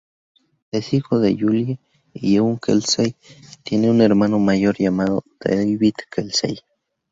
Es hijo de Julie y John Kelsey, tiene un hermano mayor llamado David Kelsey.